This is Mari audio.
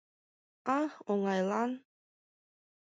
— А оҥайлан.